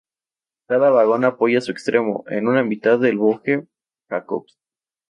Cada vagón apoya su extremo en una mitad del boje Jacobs.